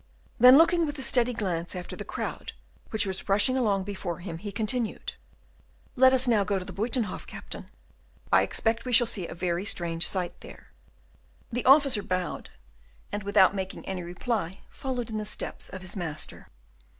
Then, looking with a steady glance after the crowd which was rushing along before him, he continued, "Let us now go to the Buytenhof, Captain; I expect we shall see a very strange sight there." The officer bowed, and, without making any reply, followed in the steps of his master.